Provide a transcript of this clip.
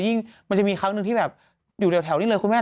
มันจะมีครั้งหนึ่งที่แบบอยู่แถวนี้เลยคุณแม่